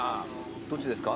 どっちですか？